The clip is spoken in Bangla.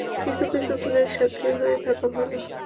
কিছু কিছু খুনের সাক্ষী হয়ে থাকা ভালো।